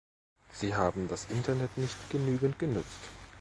Sie haben das Internet nicht genügend genutzt.